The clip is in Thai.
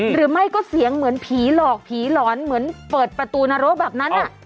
หรือไม่ก็เสียงเหมือนผีหลอกผีหลอนเหมือนเปิดประตูนรกแบบนั้น